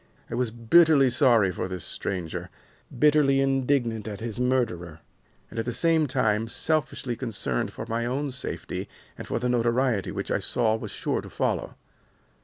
I was bitterly sorry for this stranger, bitterly indignant at his murderer, and, at the same time, selfishly concerned for my own safety and for the notoriety which I saw was sure to follow.